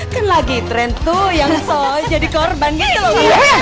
kan lagi tren tuh yang so jadi korban gitu loh